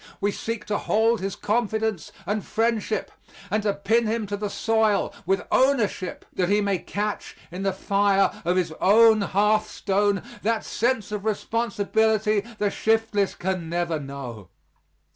We seek to hold his confidence and friendship and to pin him to the soil with ownership, that he may catch in the fire of his own hearthstone that sense of responsibility the shiftless can never know.